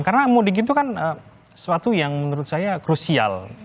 karena mudik itu kan sesuatu yang menurut saya krusial